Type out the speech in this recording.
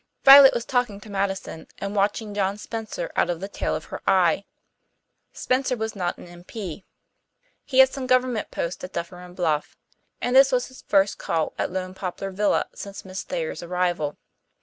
Violet was talking to Madison and watching John Spencer out of the tail of her eye. Spencer was not an M.P. He had some government post at Dufferin Bluff, and this was his first call at Lone Poplar Villa since Miss Thayer's arrival.